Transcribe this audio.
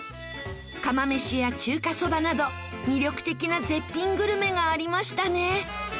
釜飯や中華そばなど魅力的な絶品グルメがありましたね。